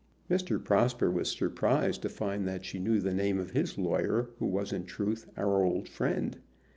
Mr. Prosper was surprised to find that she knew the name of his lawyer, who was in truth our old friend.